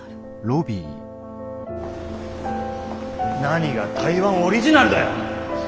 何が台湾オリジナルだよ！